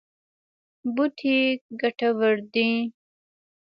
بوټي ګټور دي.